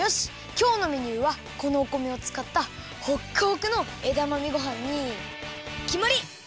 きょうのメニューはこのお米をつかったホックホクのえだまめごはんにきまり！